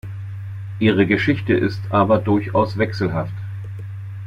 Ihre Geschichte ist aber durchaus wechselhaft.